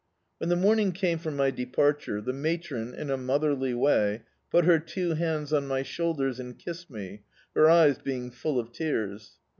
When the morning came for my departure, the matr(Ki, in a motherly way, put her two hands on my shoulders and kissed me, her eyes being full of tears.